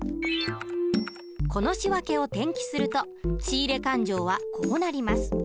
この仕訳を転記すると仕入勘定はこうなります。